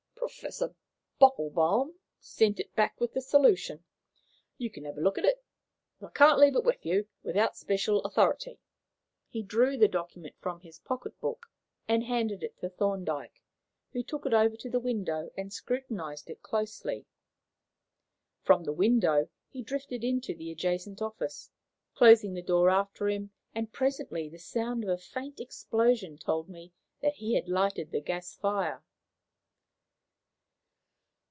"Professor Poppelbaum sent it back with the solution. You can have a look at it, though I can't leave it with you without special authority." He drew the document from his pocket book and handed it to Thorndyke, who took it over to the window and scrutinized it closely. From the window he drifted into the adjacent office, closing the door after him; and presently the sound of a faint explosion told me that he had lighted the gas fire.